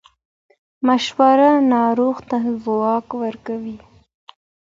مشوره ناروغ ته ځواک ورکوي.